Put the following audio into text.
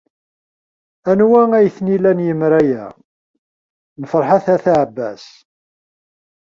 Anwa ay ten-ilan yemra-a? N Ferḥat n At Ɛebbas.